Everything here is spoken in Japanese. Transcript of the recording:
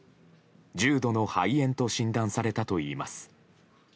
重度の肺炎と診断されたといいます。